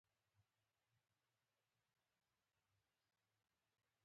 اوس به نیویارک ته رسېدلی وې.